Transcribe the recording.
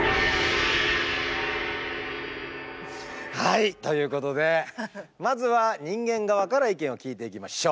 はいということでまずは人間側から意見を聞いていきましょう。